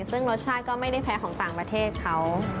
ซึ่งรสชาติก็ไม่ได้แพ้ของต่างประเทศเขา